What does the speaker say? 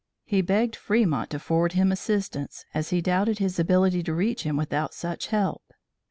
He begged Fremont to forward him assistance, as he doubted his ability to reach him without such help.